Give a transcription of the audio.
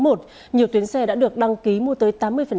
trong tháng một nhiều tuyến xe đã được đăng ký mua tới tám mươi